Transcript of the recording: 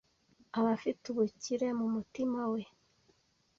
aba afite ubukire mu mutima we